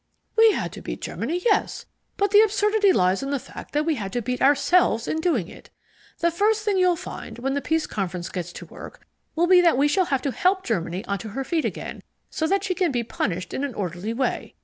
"We had to beat Germany, yes, but the absurdity lies in the fact that we had to beat ourselves in doing it. The first thing you'll find, when the Peace Conference gets to work, will be that we shall have to help Germany onto her feet again so that she can be punished in an orderly way.